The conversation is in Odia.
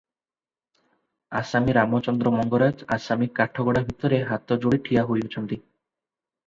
ଆସାମୀ ରାମଚନ୍ଦ୍ର ମଙ୍ଗରାଜ ଆସାମୀ କାଠଗଡ଼ା ଭିତରେ ହାତ ଯୋଡ଼ି ଠିଆ ହୋଇଅଛନ୍ତି ।